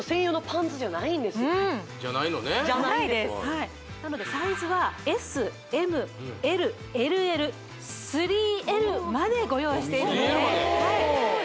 これはじゃないのねじゃないんですなのでサイズはＳＭＬＬＬ３Ｌまでご用意しているんですね